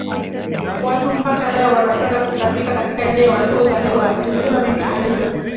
watu mpaka leo wanakwenda kutambika katika eneo alikozaliwaalisema Bibi Halima